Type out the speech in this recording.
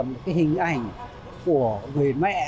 một cái hình ảnh của người mẹ